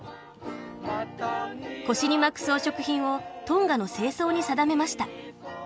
腰に巻く装飾品をトンガの正装に定めました。